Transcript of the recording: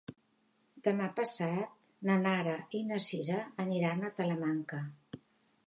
Demà passat na Nara i na Sira aniran a Talamanca.